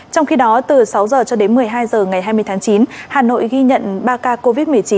trong khi đó từ sáu h cho đến một mươi hai h ngày hai mươi tháng chín hà nội ghi nhận ba ca covid một mươi chín